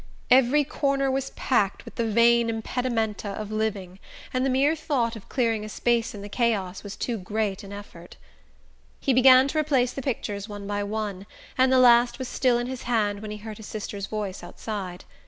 Every corner was packed with the vain impedimenta of living, and the mere thought of clearing a space in the chaos was too great an effort. He began to replace the pictures one by one; and the last was still in his hand when he heard his sister's voice outside.